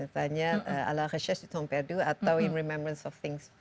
tanya alakasias di tumpedu atau in remembrance of things